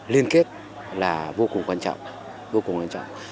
liên kết là vô cùng quan trọng